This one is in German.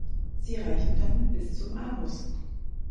Sie reichen dann bis zum Anus.